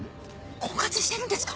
婚活してるんですか？